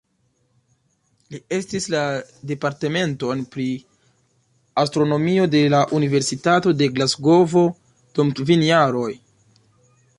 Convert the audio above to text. Li estris la Departementon pri astronomio de la Universitato de Glasgovo dum kvin jaroj.